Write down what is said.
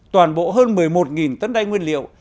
toàn bộ hơn một mươi một tấn đai nguyên liệu